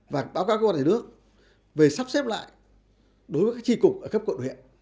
và báo cáo các quan hệ nước về sắp xếp lại đối với các chi cục ở các cộng huyện